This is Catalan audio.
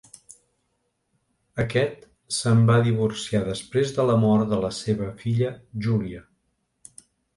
Aquest se'n va divorciar després de la mort de la seva filla Júlia.